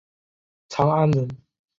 长安人。